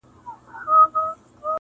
په دې خپل حلال معاش مي صبر کړی,